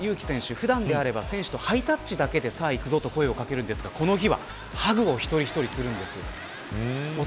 普段であれば選手とハイタッチだけでさあ、いくぞと声を掛けるんですがこの日はハグを一人一人とするんです。